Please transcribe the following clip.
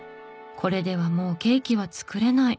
「これではもうケーキは作れない」。